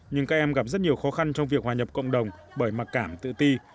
nhưng các em gặp rất nhiều khó khăn trong việc hòa nhập cộng đồng bởi mặc cảm tự ti